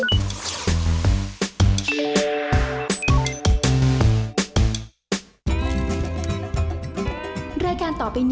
ไอล์โหลดแล้วคุณหลานโหลดหรือยัง